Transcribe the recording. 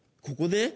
ここで？